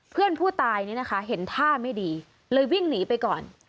เพื่อนผู้ตายนี่นะคะเห็นท่าไม่ดีเลยวิ่งหนีไปก่อน